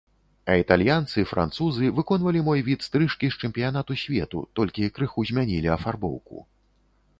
А італьянцы, французы выконвалі мой від стрыжкі з чэмпіянату свету, толькі крыху змянілі афарбоўку.